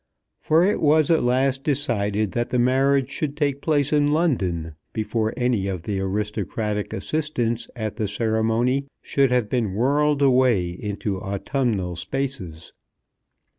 For it was at last decided that the marriage should take place in London before any of the aristocratic assistants at the ceremony should have been whirled away into autumnal spaces.